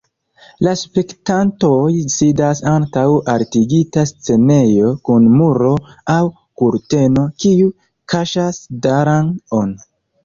La spektantoj sidas antaŭ altigita scenejo kun muro aŭ kurteno, kiu kaŝas dalang-on.